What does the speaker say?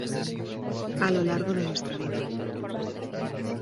a lo largo de nuestra vida.